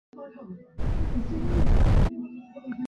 楚武穆王马殷用该年号。